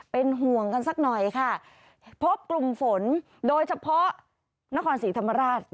เป็นห่วงกันสักหน่อยค่ะพบกลุ่มฝนโดยเฉพาะนครศรีธรรมราช